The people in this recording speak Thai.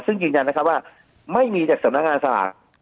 ซึ่งยืนยันนะครับว่าไม่มีจากสำนักงานสลาก